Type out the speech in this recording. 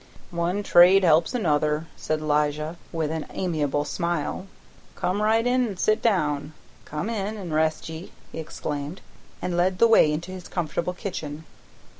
"One trade helps another," said Elijah with an amiable smile. "Come right in an' set down. Come in an' rest ye," he exclaimed, and led the way into his comfortable kitchen.